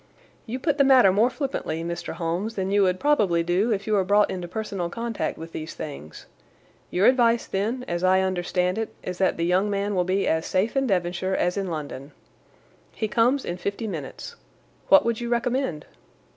"You put the matter more flippantly, Mr. Holmes, than you would probably do if you were brought into personal contact with these things. Your advice, then, as I understand it, is that the young man will be as safe in Devonshire as in London. He comes in fifty minutes. What would you recommend?"